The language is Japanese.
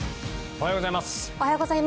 おはようございます。